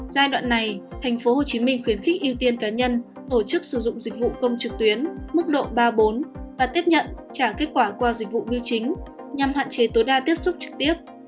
giai đoạn này tp hcm khuyến khích ưu tiên cá nhân tổ chức sử dụng dịch vụ công trực tuyến mức độ ba bốn và tiếp nhận trả kết quả qua dịch vụ biêu chính nhằm hạn chế tối đa tiếp xúc trực tiếp